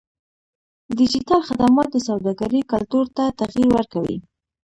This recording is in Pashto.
ډیجیټل خدمات د سوداګرۍ کلتور ته تغیر ورکوي.